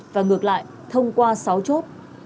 và ngược lại thông qua sáu chốt